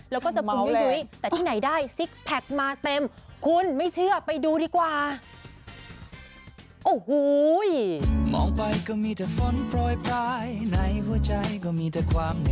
แล้วก็จะคุณยุ้ยแต่ที่ไหนได้ซิกแพคมาเต็มคุณไม่เชื่อไปดูดีกว่า